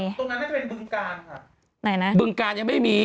ตรงนั้นน่าจะเป็นบึงการค่ะไหนนะบึงการยังไม่มี